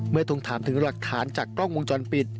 ทวงถามถึงหลักฐานจากกล้องวงจรปิด